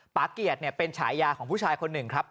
เกียรติเป็นฉายาของผู้ชายคนหนึ่งครับ